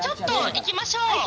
行きましょう。